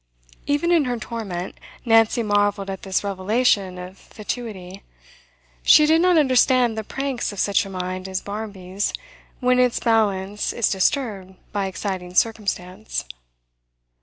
Even in her torment, Nancy marvelled at this revelation of fatuity. She did not understand the pranks of such a mind as Barmby's when its balance is disturbed by exciting circumstance.